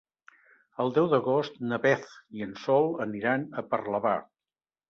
El deu d'agost na Beth i en Sol aniran a Parlavà.